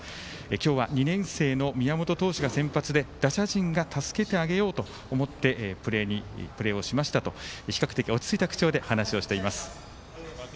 今日は２年生の宮本投手が先発で打者陣が助けてあげようと思ってプレーをしましたと比較的落ち着いた口調で話しています。